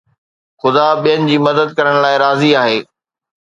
خدا ٻين جي مدد ڪرڻ لاء راضي آهي